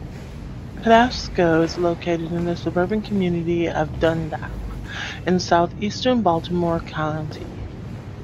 Patapsco is located in the suburban community of Dundalk, in southeastern Baltimore County.